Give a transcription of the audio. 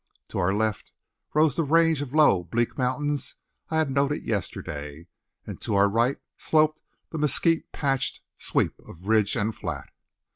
To our left rose the range of low, bleak mountains I had noted yesterday, and to our right sloped the mesquite patched sweep of ridge and flat.